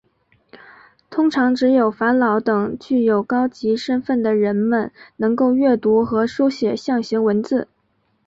通常只有法老等具有高级身份的人们能够阅读和书写象形文字。